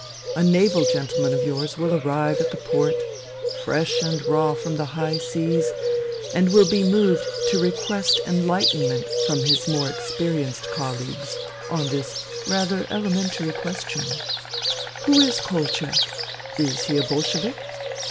A naval gentleman of yours will arrive at the port, fresh and raw from the high seas, and will be moved to request enlightenment from his more experienced colleagues on this rather elementary question ;' Who is INTERVENING IN SIBERIA 213 Kolchak ? Is he a Bolshevik